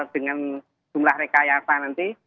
dengan jumlah rekayasa nanti